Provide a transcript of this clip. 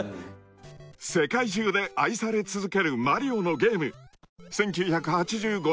［世界中で愛され続ける『マリオ』のゲーム］